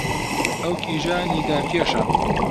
ئەو کیژە نیگارکێشە